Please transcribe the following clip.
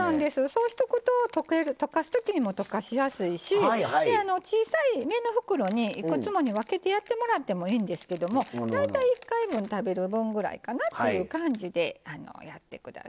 そうしとくと溶かすときにも溶かしやすいし小さめの袋にいくつもに分けてやってもいいんですけども大体１回分食べる分ぐらいかなっていう感じでやって下さい。